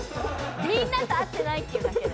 みんなと合ってないっていうだけで。